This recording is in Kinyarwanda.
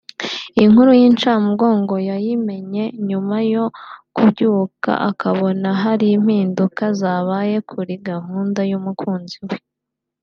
Inkuru y’incamugongo yayimenye nyuma yo kubyuka akabona hari impinduka zabaye kuri gahunda y’umukunzi we